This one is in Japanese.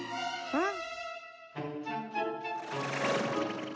うん？